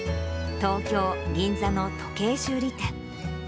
東京・銀座の時計修理店。